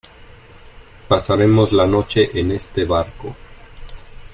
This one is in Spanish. pasaremos la noche en este barco.